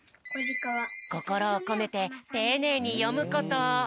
こころをこめてていねいによむこと。